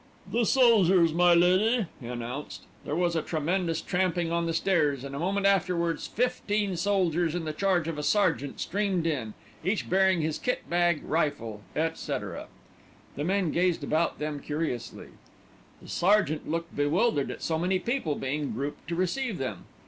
"The soldiers, my lady," he announced. There was a tremendous tramping on the stairs, and a moment afterwards fifteen soldiers in the charge of a sergeant streamed in, each bearing his kit bag, rifle, etc. The men gazed about them curiously. The sergeant looked bewildered at so many people being grouped to receive them.